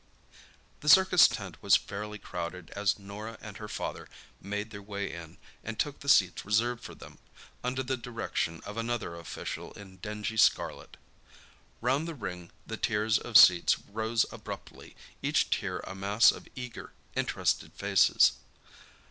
The circus tent was fairly crowded as Norah and her father made their way in and took the seats reserved for them, under the direction of another official in dingy scarlet. Round the ring the tiers of seats rose abruptly, each tier a mass of eager, interested faces.